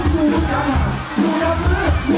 ทุกที่ว่าใช่ไหม